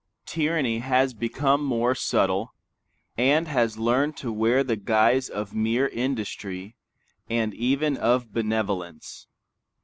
Tyranny has become more subtle, and has learned to wear the guise of mere industry, and even of benevolence.